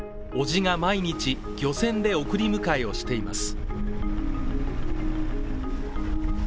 叔父が毎日、漁船で送り迎えをしています。